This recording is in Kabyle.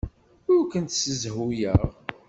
Ur kent-ssezhuyeɣ.